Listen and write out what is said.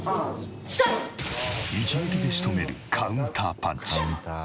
一撃で仕留めるカウンターパンチ。